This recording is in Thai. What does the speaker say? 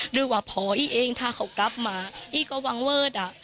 หรือว่าพออี้เองถ้าเขากลับมาอี้ก็วังเวิร์ดอ่ะ